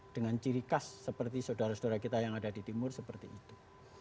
dan ciri khas seperti saudara saudara kita yang ada di timur seperti itu